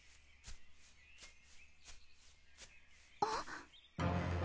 あっ。